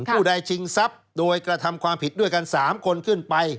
ผู้ใดชิงทรัพย์โดยกระทำความผิดด้วยกัน๓คนขึ้นไป